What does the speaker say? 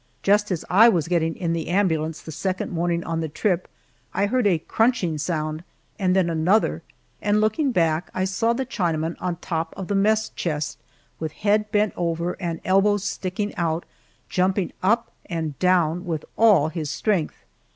Just as I was getting in the ambulance the second morning on the trip, I heard a crunching sound and then another, and looking back, I saw the Chinaman on top of the mess chest with head bent over and elbows sticking out, jumping up and down with all his strength.